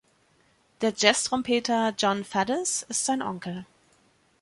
Der Jazz-Trompeter Jon Faddis ist sein Onkel.